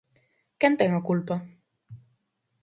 Quen ten a culpa?